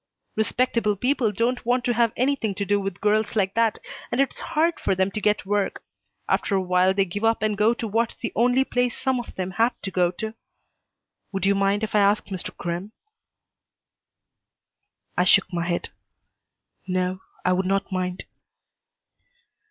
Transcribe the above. "Respectable people don't want to have anything to do with girls like that, and it's hard for them to get work. After a while they give up and go to what's the only place some of them have to go to. Would you mind if I ask Mr. Crimm?" I shook my head. "No, I would not mind."